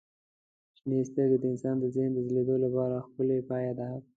شنې سترګې د انسان د ذهن د ځلېدو لپاره ښکلي پایله ده.